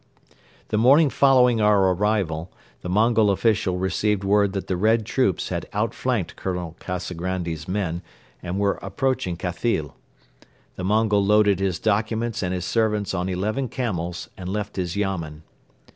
The morning following our arrival the Mongol official received word that the Red troops had outflanked Colonel Kazagrandi's men and were approaching Khathyl. The Mongol loaded his documents and his servants on eleven camels and left his yamen.